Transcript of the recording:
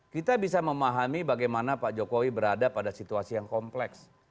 kita bisa memahami bagaimana pak jokowi berada pada situasi yang kompleks